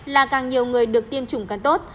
là càng nhiều người được tiêm chủng càng tốt